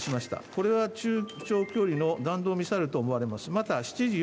これは中長距離の弾道ミサイルと思われます。